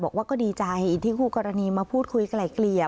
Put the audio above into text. บอกว่าก็ดีใจอีกที่คู่กรณีมาพูดคุยไกล่เกลี่ย